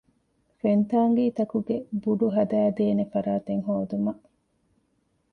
ފެންތާނގީތަކުގެ ބުޑު ހަދައިދޭނެ ފަރާތެއް ހޯދުމަށް